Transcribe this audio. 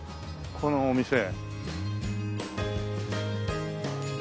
このお店。